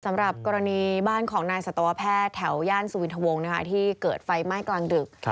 สำหรับกรณีบ้านของนายสัตวแพทย์แถวย่านสุวินทวงที่เกิดไฟไหม้กลางดึก